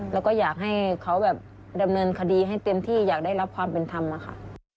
แล้วก็อยากให้เขาแบบดำเนินคดีให้เต็มที่อยากได้รับความเป็นธรรมอะค่ะ